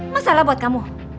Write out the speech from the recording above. masalah buat kamu